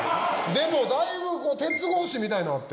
でもだいぶ鉄格子みたいなんあって。